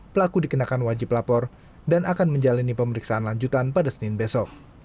pelaku dikenakan wajib lapor dan akan menjalani pemeriksaan lanjutan pada senin besok